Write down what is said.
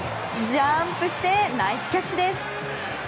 ジャンプしてナイスキャッチです。